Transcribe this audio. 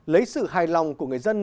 lấy sự hài lòng của người dân